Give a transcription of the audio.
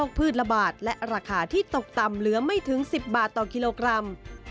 พืชละบาทและราคาที่ตกต่ำเหลือไม่ถึง๑๐บาทต่อกิโลกรัม